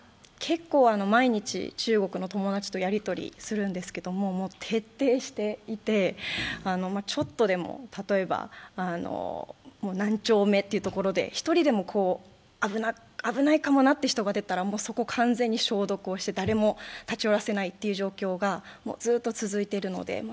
結構毎日中国の友達とやりとりするんですけども、徹底していて、ちょっとでも、例えば何丁目というところで１人でも危ないかもなという人が出たら、そこは完全に消毒をして誰も立ち寄らせないという状況がずっと続いているので。